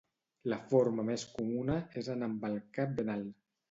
La forma més comuna és anar amb el cap ben alt.